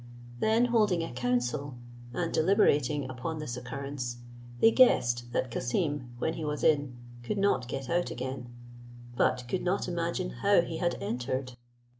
Then holding a council, and deliberating upon this occurrence, they guessed that Cassim, when he was in, could not get out again; but could not imagine how he had entered.